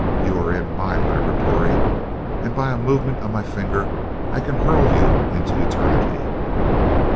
You are in MY laboratory, and by a movement of my finger I can hurl you into eternity!"